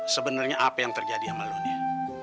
sebenarnya apa yang terjadi sama lo nih